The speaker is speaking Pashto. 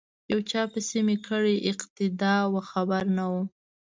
یو چا پسی می کړې اقتدا وه خبر نه وم